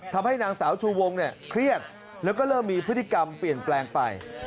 ทำให้นางสาวชูวงเนี่ยเครียดแล้วก็เริ่มมีพฤติกรรมเปลี่ยนแปลงไป